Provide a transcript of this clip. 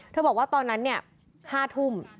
เธอบอกว่าตอนนั้นเนี่ย๕ทุ่ม